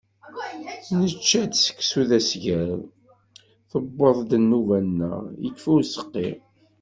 Nečča-d seksu d asgal. Tewweḍ-d nnuba-nneɣ, yekfa useqqi.